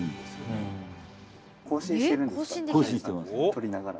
採りながら？